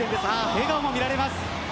笑顔が見られます。